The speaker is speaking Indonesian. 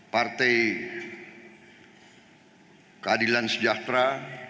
partai keadilan sejahtera